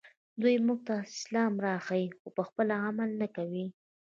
دوی موږ ته اسلام راښيي خو پخپله عمل نه کوي